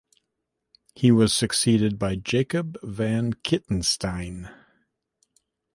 He was succeeded by Jacob van Kittensteyn.